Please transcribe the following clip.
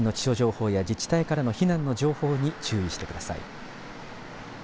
最新の気象情報や自治体からの避難の情報に注意してください。